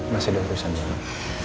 masih ada urusan di kantor